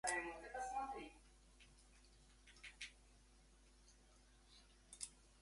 Euronext also provides an Equity and Index Volatility Data Service that covers indices worldwide.